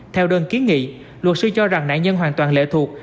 theo đơn kiến nghị luật sư cho rằng nạn nhân hoàn toàn lệ thuộc